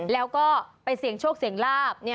แล้วก็ไปเสี่ยงโชคเสี่ยงลาบ